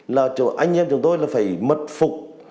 là anh em chúng tôi là phải mật phục